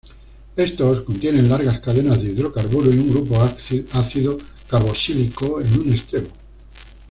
Estos contienen largas cadenas de hidrocarburo y un grupo ácido carboxílico en un extremo.